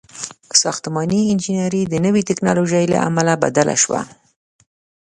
• ساختماني انجینري د نوې ټیکنالوژۍ له امله بدله شوه.